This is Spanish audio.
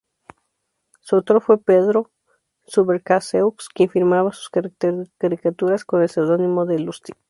Su autor fue Pedro Subercaseaux, quien firmaba sus caricaturas con el seudónimo de "Lustig".